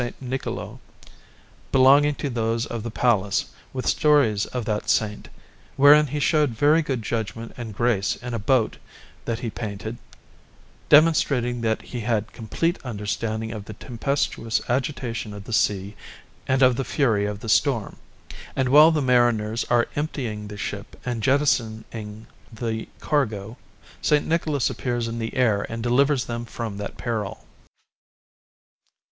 Niccolò, belonging to those of the palace, with stories of that Saint, wherein he showed very good judgment and grace in a boat that he painted, demonstrating that he had complete understanding of the tempestuous agitation of the sea and of the fury of the storm; and while the mariners are emptying the ship and jettisoning the cargo, S. Nicholas appears in the air and delivers them from that peril.